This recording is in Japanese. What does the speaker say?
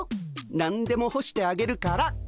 何でもほしてあげるから。